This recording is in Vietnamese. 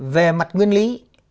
về mặt nguyên lý